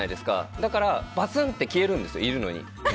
だからバスンって消えるんですよいるのに。